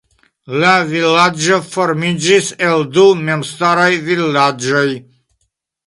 La vilaĝo formiĝis el du memstaraj vilaĝoj.